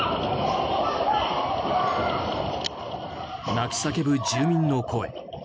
泣き叫ぶ住民の声。